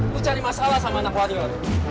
lo cari masalah sama anak warrior